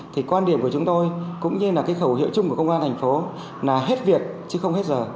thì quan điểm của chúng tôi cũng như là cái khẩu hiệu chung của công an thành phố là hết việc chứ không hết giờ